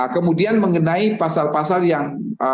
kemudian mengenai pasal pasal yang